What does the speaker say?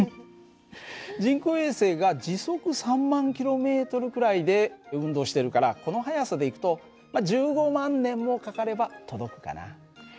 人工衛星が時速３万ｋｍくらいで運動してるからこの速さでいくと１５万年もかかれば届くかな。